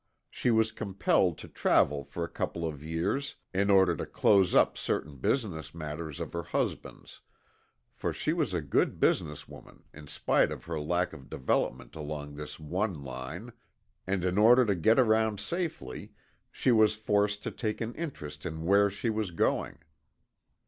She was compelled to travel for a couple of years, in order to close up certain business matters of her husband's for she was a good business woman in spite of her lack of development along this one line and in order to get around safely, she was forced to take an interest in where she was going.